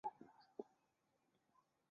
森帕赫战役后霍赫多夫由卢塞恩管辖。